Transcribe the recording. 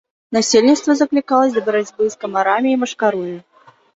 Насельніцтва заклікалася да барацьбы з камарамі і машкарою.